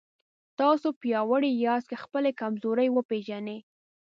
تاسو پیاوړي یاست که خپلې کمزورۍ وپېژنئ.